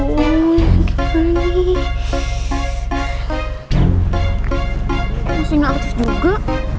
masih gak aktif juga